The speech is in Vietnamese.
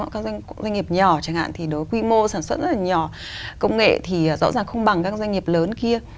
các doanh nghiệp nhỏ chẳng hạn thì đối với quy mô sản xuất rất là nhỏ công nghệ thì rõ ràng không bằng các doanh nghiệp lớn kia